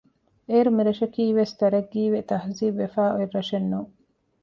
އޭރު މިރަށަކީވެސް ތަރައްޤީވެ ތަހްޒީބުވެފައި އޮތް ރަށެއް ނޫން